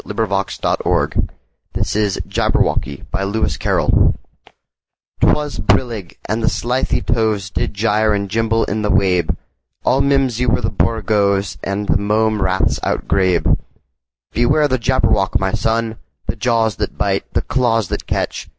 Lewis Carroll 1832–98 Jabberwocky CarrollL 'T WAS brillig, and the slithy tovesDid gyre and gimble in the wabe; All mimsy were the borogoves, And the mome raths outgrabe."Beware the Jabberwock, my son! The jaws that bite, the claws that catch!